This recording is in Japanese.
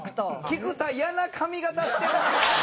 菊田イヤな髪形してるな。